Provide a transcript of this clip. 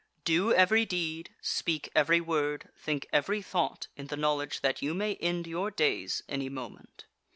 11. Do every deed, speak every word, think every thought in the knowledge that you may end your days any moment.